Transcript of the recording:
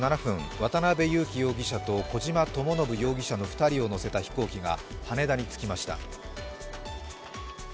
渡辺優樹容疑者と小島智信容疑者の２人を乗せた飛行機が羽田に着きました。